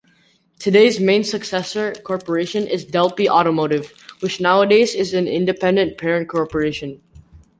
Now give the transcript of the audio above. Today's main successor corporation is Delphi Automotive, which nowadays is an independent parent corporation.